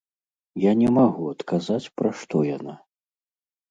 Я не магу адказаць, пра што яна.